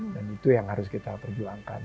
dan itu yang harus kita perjuangkan